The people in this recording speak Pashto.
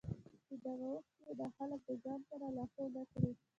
چې دغه اوښکې ئې دا خلک د ځان سره لاهو نۀ کړي